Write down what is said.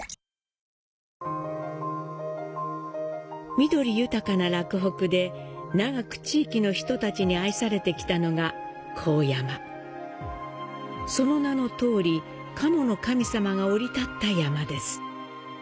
緑豊かな洛北で長く地域の人たちに愛されてきたのがその名の通り、賀茂の神様が降り立った山です。